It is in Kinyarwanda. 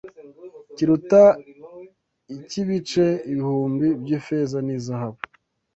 kiruta icy’ibice ibihumbi by’ifeza n’izahabu